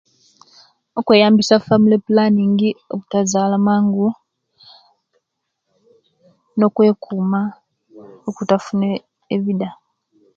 Okweyambisa family planningi obutazala mangu nokwekuma obutafuna ebida